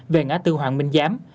về ngã tư hoàng minh giám